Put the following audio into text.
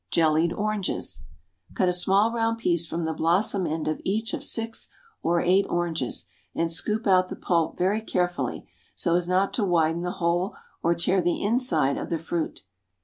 Jellied Oranges. Cut a small round piece from the blossom end of each of six or eight oranges, and scoop out the pulp very carefully, so as not to widen the hole, or tear the inside of the fruit.